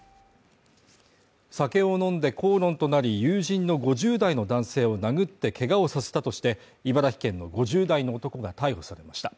酒を飲んで口論となり友人の５０代の男性を殴ってけがをさせたとして、茨城県の５０代の男が逮捕されました。